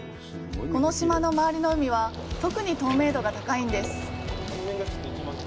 この島の周りの海は特に透明度が高いんです。